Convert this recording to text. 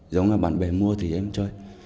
giống như bạn bè mua thì em chơi